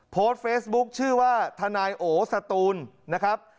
โพสต์เฟซบุ๊คชื่อว่าทนายโอสตูนนะครับ